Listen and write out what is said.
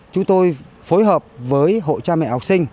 chúng tôi phối hợp với hộ cha mẹ học sinh